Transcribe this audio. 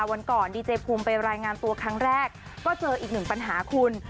วันก่อนดีเจภูมิไปรายงานตัวครั้งแรกก็เจออีกหนึ่งปัญหาคุณ